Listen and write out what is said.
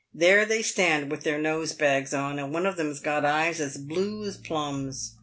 There they stand with their nose bags on, and one of them's got eyes as blue as plums.